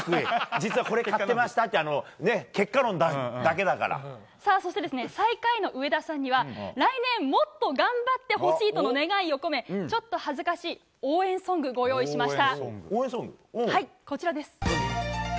実はこれ買ってましたっていうそして最下位の上田さんには来年もっと頑張ってほしいとの願いを込めちょっと恥ずかしい応援ソングご用意しました。